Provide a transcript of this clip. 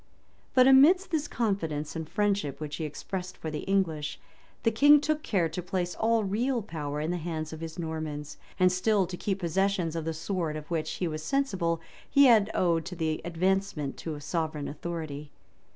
But amidst this confidence and friendship which he expressed for the English, the king took care to place all real power in the hands of his Normans, and still to keep possession of the sword, to which, he was sensible, he had owed his advancement to sovereign authority.